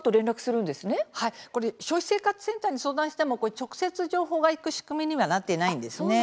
消費生活センターに相談しても直接情報がいく仕組みにはなっていないんです。